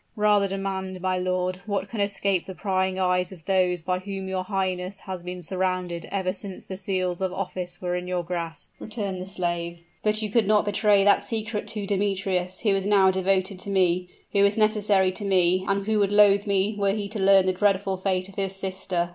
"Rather demand, my lord, what can escape the prying eyes of those by whom your highness has been surrounded ever since the seals of office were in your grasp," returned the slave. "But you would not betray that secret to Demetrius, who is now devoted to me, who is necessary to me, and who would loathe me were he to learn the dreadful fate of his sister!"